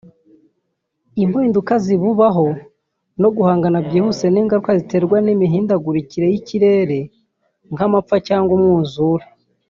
impinduka zibubaho no guhangana byihuse n’ingaruka ziterwa n’imihindagurikire y’ikirere nk’amapfa cyangwa umwuzure